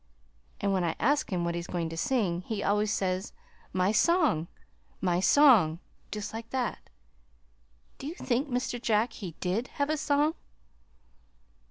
And when I ask him what he's going to sing, he always says, 'My song my song,' just like that. Do you think, Mr. Jack, he did have a song?"